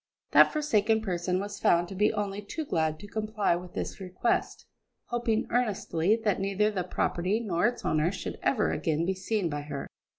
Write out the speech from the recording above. That forsaken person was found to be only too glad to comply with this request, hoping earnestly that neither the property nor its owner should ever again be seen by her.